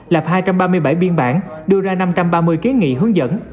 lập hai trăm ba mươi bảy biên bản đưa ra năm trăm ba mươi kiến nghị hướng dẫn